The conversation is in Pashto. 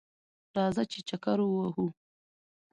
راځه ! چې چکر ووهو